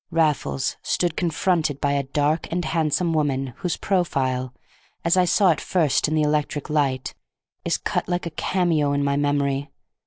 Raffles stood confronted by a dark and handsome woman whose profile, as I saw it first in the electric light, is cut like a cameo in my memory.